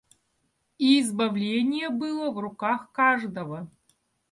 И избавление было в руках каждого.